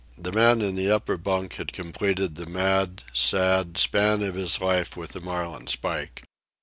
The man in the upper bunk had completed the mad, sad span of his life with the marlin spike.